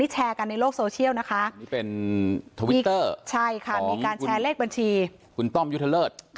แชร์กันในโลกโซเชียลนะคะมีการแชร์เลขบัญชีคุณต้อมยุทธเลิศ